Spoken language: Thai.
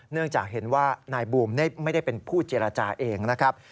เนื่องจากเห็นว่านายบูมไม่ได้เป็นผู้เจรจาเองนะครับ